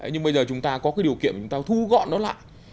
nhưng bây giờ chúng ta có cái điều kiện chúng ta thu gọn nó lại